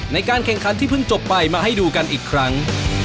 ในการแข่งขันที่เพิ่งจบไปมาให้ดูกันอีกครั้ง